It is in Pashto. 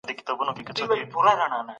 که په خوړو کې مرچک زیات وي نو خوله سوځوي.